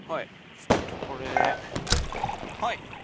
ちょっとこれではい。